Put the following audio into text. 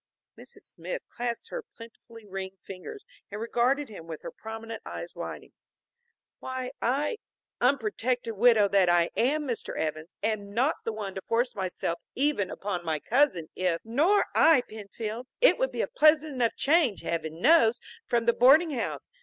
Mrs. Smith clasped her plentifully ringed fingers, and regarded him with her prominent eyes widening. "Why, I unprotected widow that I am, Mr. Evans, am not the one to force myself even upon my cousin if " "Nor I, Penfield. It would be a pleasant enough change, heaven knows, from the boarding house.